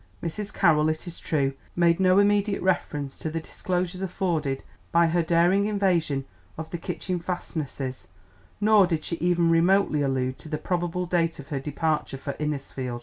Mrs. Carroll, it is true, made no immediate reference to the disclosures afforded by her daring invasion of the kitchen fastnesses, nor did she even remotely allude to the probable date of her departure for Innisfield.